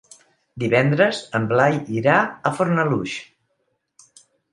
Divendres en Blai irà a Fornalutx.